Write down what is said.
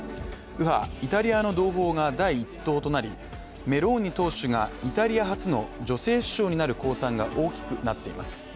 右派「イタリアの同胞」が第１党となり、メローニ党首がイタリア初の女性首相になる公算が大きくなっています。